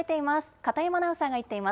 片山アナウンサーが行っています。